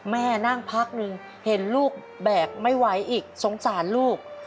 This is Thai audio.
แม่นั่งพักหนึ่งเห็นลูกแบกไม่ไหวอีกสงสารลูก